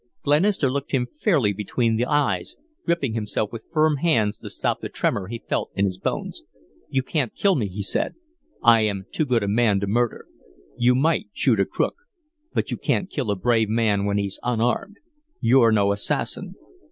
Glenister looked him fairly between the eyes, gripping himself with firm hands to stop the tremor he felt in his bones. "You can't kill me," he said. "I am too good a man to murder. You might shoot a crook, but you can't kill a brave man when he's unarmed. You're no assassin."